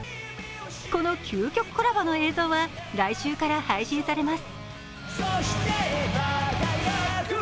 この究極コラボの映像は来週から配信されます。